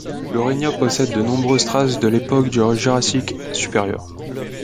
Lourinhã possède de nombreuses traces de l’époque du Jurassique supérieur.